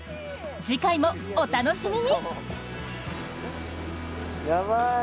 次回もお楽しみに。